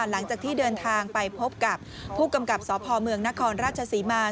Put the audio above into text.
หลังจากที่เดินทางไปพบกับผู้กำกับสพเมืองนครราชศรีมา